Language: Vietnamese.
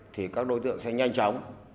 thì các đối tượng sẽ nhanh chóng